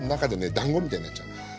だんごみたいになっちゃう。